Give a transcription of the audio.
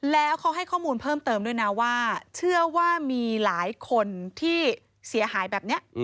แล้วเขาให้ข้อมูลเพิ่มเติมด้วยนะว่าเชื่อว่ามีหลายคนที่เสียหายแบบนี้